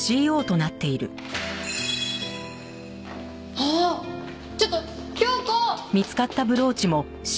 ああっちょっと京子！